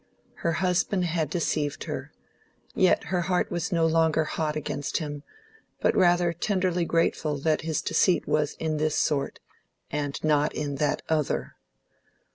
Her husband had deceived her, yet her heart was no longer hot against him, but rather tenderly grateful that his deceit was in this sort, and not in that other.